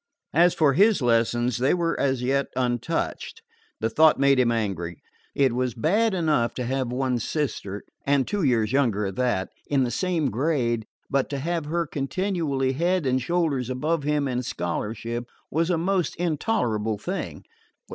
As for his lessons, they were as yet untouched. The thought made him angry. It was bad enough to have one's sister and two years younger at that in the same grade, but to have her continually head and shoulders above him in scholarship was a most intolerable thing.